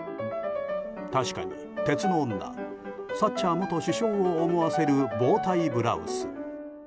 確かに鉄の女サッチャー元首相を思わせるボウタイブラウス。